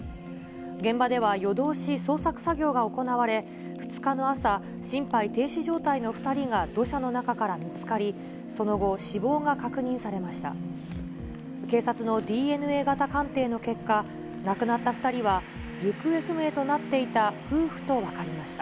現場では夜通し捜索作業が行われ、２日の朝、心肺停止状態の２人が土砂の中から見つかり、その後、死亡が確認されました。